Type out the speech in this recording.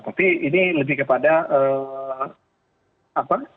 tapi ini lebih kepada